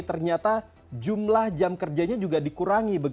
ternyata jumlah jam kerjanya juga dikurangi